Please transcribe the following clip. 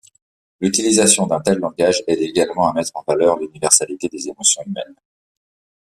L'utilisation d'un tel langage aide également à mettre en valeur l'universalité des émotions humaines.